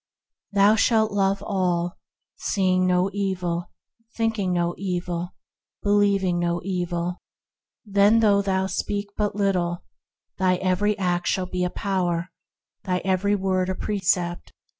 Thou shalt love all, seeing no evil, thinking no evil, believing no evil; then, though thou speak but little, thine every act shall be a power, thine every word a precept.